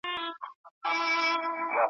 په تقوا به وي مشهور په ولایت کي `